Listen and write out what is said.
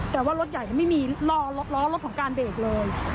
แต่ว่ารถใหญ่ไม่มีล้อรถของการเบรกเลย